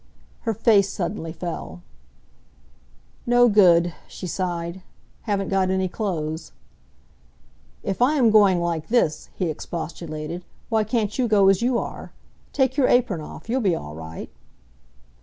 Her face suddenly fell. "No good," she sighed. "Haven't got any clothes." "If I am going like this," he expostulated, "why can't you go as you are? Take your apron off. You'll be all right."